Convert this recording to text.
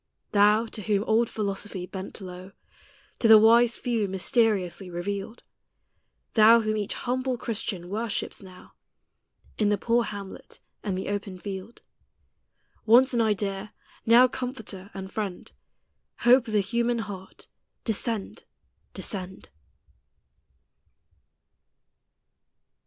Thou, to whom old Philosophy bent low, To the wise few mysteriously revealed; Thou, whom each humble Christian worships now, In the poor hamlet and the open field: Once an idea, now Comforter and Friend, Hope of the human heart, descend, descend!